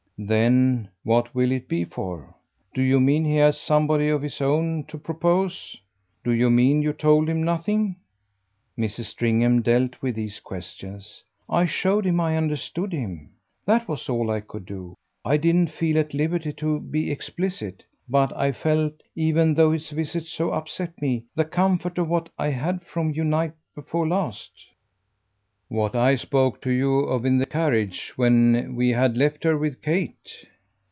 "Then what will it be for? Do you mean he has somebody of his own to propose? Do you mean you told him nothing?" Mrs. Stringham dealt with these questions. "I showed him I understood him. That was all I could do. I didn't feel at liberty to be explicit; but I felt, even though his visit so upset me, the comfort of what I had from you night before last." "What I spoke to you of in the carriage when we had left her with Kate?"